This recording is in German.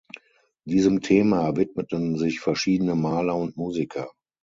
Diesem Thema widmeten sich verschiedene Maler und Musiker.